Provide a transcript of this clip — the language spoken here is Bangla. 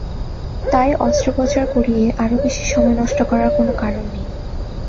তাই অস্ত্রোপচার করিয়ে আরও বেশি সময় নষ্ট করার কোনো কারণ নেই।